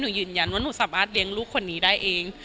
ยืนยันว่าหนูสามารถเลี้ยงลูกคนนี้ได้เอง